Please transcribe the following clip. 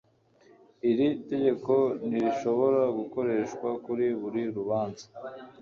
Iri tegeko ntirishobora gukoreshwa kuri buri rubanza